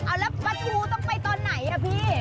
เอ้าแล้วปฐูต้องไปตอนไหนนะพี่